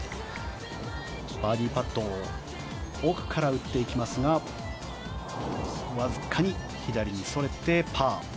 バーディーパットを奥から打っていきますがわずかに左にそれてパー。